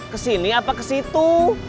kesini apa kesitu